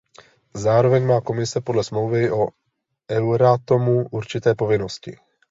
Zároveň má Komise podle Smlouvy o Euratomu určité povinnosti.